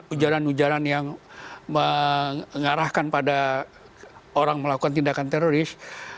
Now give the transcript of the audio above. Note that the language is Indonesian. ujaran ujaran yang mengarahkan pada orang melakukan tindakan teroris